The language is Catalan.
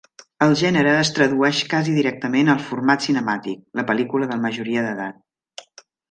El gènere es tradueix casi directament al format cinemàtic, la pel·lícula de majoria d"edat.